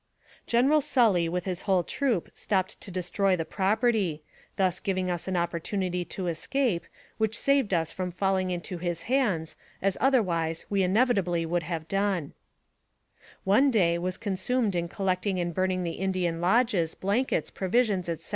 General Sully with his whole troop stopped to de stroy the property, thus giving us an opportunity to escape, which saved us from falling into his hands, as otherwise we inevitably would have done. 104 NAERATIVE OF CAPTIVITY One day was consumed in collecting and burning the Indian lodges, blankets, provisions, etc.